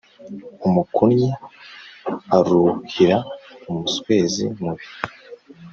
Umukunnyi aruhira umuswezi mubi